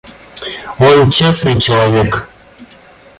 Он честный человек.